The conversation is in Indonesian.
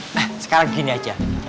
nah sekarang gini aja